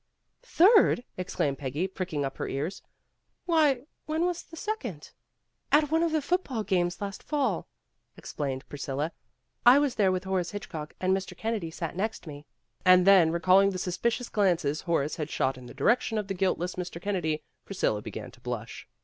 '' "Third?" exclaimed Peggy, pricking up her ears. "Why, when was the second?" "At one of the football games last fall," ex plained Priscilla. "I was there with Horace Hitchcock, and Mr. Kennedy sat next me." And then recalling the suspicious glances Hor ace had shot in the direction of the guiltless Mr. Kennedy, Priscilla began to blush.